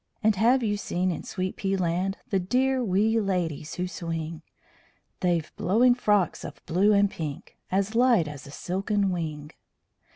And have you seen in Sweet pea Land The dear wee ladies who swing? They've blowing frocks of blue and pink As light as a silken wing.